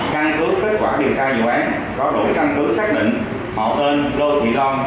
căn cứ kết quả điều tra dự án có đổi căn cứ xác định họ tên lô thị long